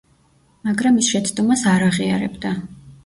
მაგრამ ის შეცდომას არ აღიარებდა.